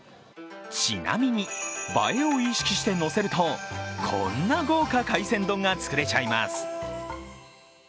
ちなみに、映えを意識してのせるとこんな豪華海鮮丼が作れちゃいます。